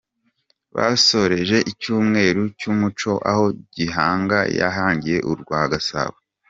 Basoreje icyumweru cy’umuco aho Gihanga yahangiye u rwa Gasabo